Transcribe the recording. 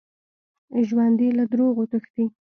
ژوندي له دروغو تښتي